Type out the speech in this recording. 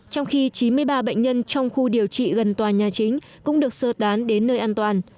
trong khi chín mươi ba bệnh nhân trong khu điều trị gần tòa nhà chính cũng được sơ tán đến nơi an toàn